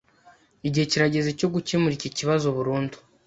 Igihe kirageze cyo gukemura iki kibazo burundu.